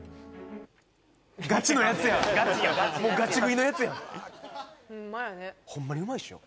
ガチのやつやもうガチ食いのやつやホンマにうまいでしょ？